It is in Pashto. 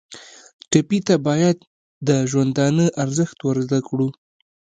ټپي ته باید د ژوندانه ارزښت ور زده کړو.